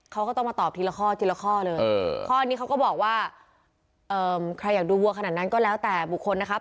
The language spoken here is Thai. เขาก็ต้องมาตอบทีละข้อทีละข้อเลยข้อนี้เขาก็บอกว่าใครอยากดูวัวขนาดนั้นก็แล้วแต่บุคคลนะครับ